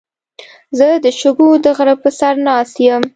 زه د شګو د غره په سر ناست یم.